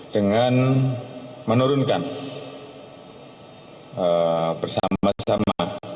dengan menurunkan bersama sama